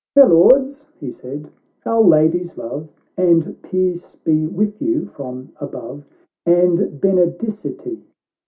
" Fair Lords," he said, " Our Lady's love, And peace be with you from above, And Benedicite